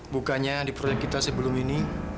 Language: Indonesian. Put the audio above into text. bukannya di proyek kita sebelum ini